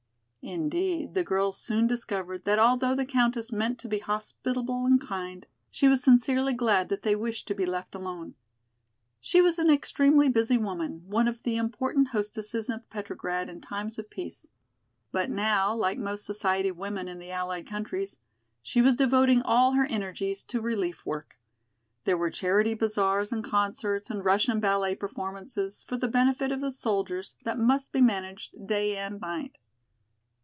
Indeed, the girls soon discovered that although the Countess meant to be hospitable and kind, she was sincerely glad that they wished to be left alone. She was an extremely busy woman, one of the important hostesses of Petrograd in times of peace. But now, like most society women in the allied countries, she was devoting all her energies to relief work. There were charity bazaars and concerts and Russian ballet performances, for the benefit of the soldiers, that must be managed day and night.